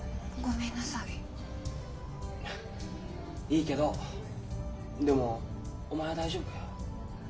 いいけどでもお前は大丈夫かよ？